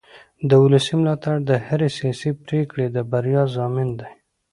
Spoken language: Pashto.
د ولس ملاتړ د هرې سیاسي پرېکړې د بریا ضامن دی